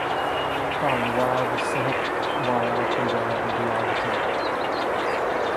ਧੰਨਵਾਦ ਸਹਿਤ via Punjab blog ਚੋਂ